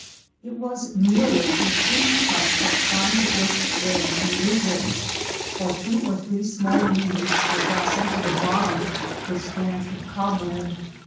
343 It was merely a thin cup of fine bush threads and rootlets, while two or three small leaves were fastened to the bottom with strands of cobweb.